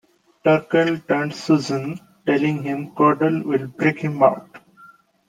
Turkell taunts Susan, telling him Cordell will break him out.